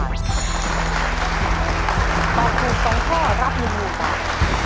ตอบถูกสองข้อรับหนึ่งมาก